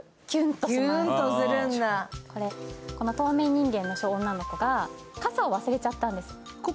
透明人間の女の子が傘を忘れちゃったんです。